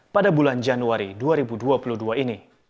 pada bulan januari dua ribu dua puluh dua ini